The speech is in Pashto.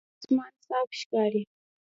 دا آسمان صاف ښکاري.